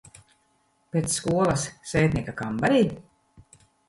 Pēc skolas sētnieka kambarī?